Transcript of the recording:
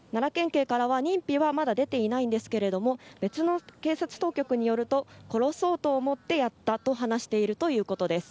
警からは認否はまだ出ていないんですが別の警察当局によると殺そうと思ってやったと話しているということです。